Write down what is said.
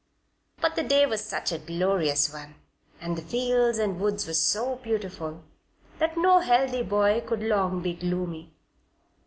But the day was such a glorious one, and the fields and woods were so beautiful, that no healthy boy could long be gloomy.